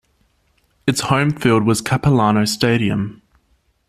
Its home field was Capilano Stadium.